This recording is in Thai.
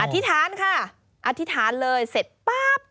ธิษฐานค่ะอธิษฐานเลยเสร็จปั๊บ